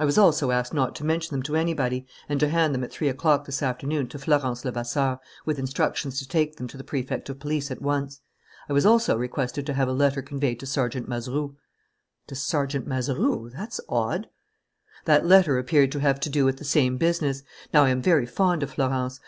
I was also asked not to mention them to anybody and to hand them at three o'clock this afternoon to Florence Levasseur, with instructions to take them to the Prefect of Police at once. I was also requested to have a letter conveyed to Sergeant Mazeroux." "To Sergeant Mazeroux! That's odd." "That letter appeared to have to do with the same business. Now, I am very fond of Florence.